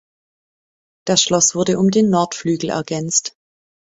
Das Schloss wurde um den Nordflügel ergänzt.